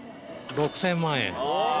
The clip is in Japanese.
６０００万円？